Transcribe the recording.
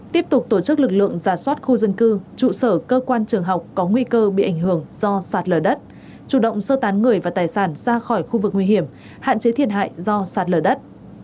tiếp tục tổ chức lực lượng giả soát khu dân cư trụ sở cơ quan trường học có nguy cơ bị ảnh hưởng do sạt lở đất chủ động sơ tán người và tài sản ra khỏi khu vực nguy hiểm hạn chế thiệt hại do sạt lở đất